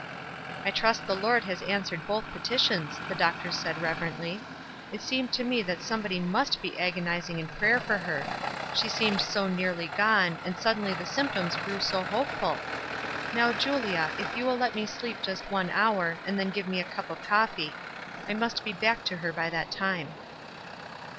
"I trust the Lord has answered both peti tions," the doctor said, reverently. "It seemed to me that somebody must be agonizing in prayer for her ; she seemed so nearly gone, and sud denly the symptoms grew so hopeful. Now, Julia, if you will let me sleep just one hour, and then give me a cup of coffee. I must be back to her by that time."